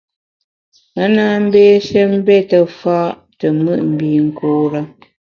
Me na mbéshe mbète fa’ te mùt mbinkure.